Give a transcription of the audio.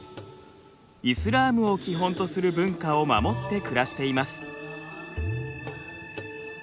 イスラームを基本とする文化を守って暮らしています。